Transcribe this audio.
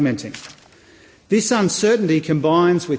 kekuatan ini berkumpul dengan harga hidup yang berharga